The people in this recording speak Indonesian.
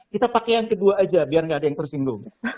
kita pakai yang kedua aja biar nggak ada yang tersinggung